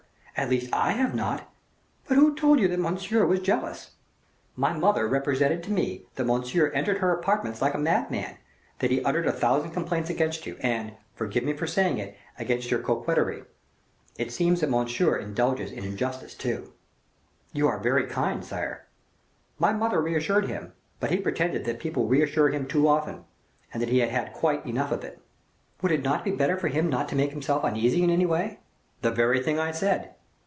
at least I have not. But who told you that Monsieur was jealous?" "My mother represented to me that Monsieur entered her apartments like a madman, that he uttered a thousand complaints against you, and forgive me for saying it against your coquetry. It appears that Monsieur indulges in injustice, too." "You are very kind, sire." "My mother reassured him; but he pretended that people reassure him too often, and that he had had quite enough of it." "Would it not be better for him not to make himself uneasy in any way?" "The very thing I said."